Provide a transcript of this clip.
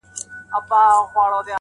چي بیا به څو درجې ستا پر خوا کږيږي ژوند.